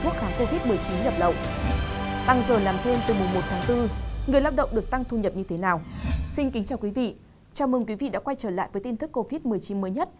chào mừng quý vị đã quay trở lại với tin thức covid một mươi chín mới nhất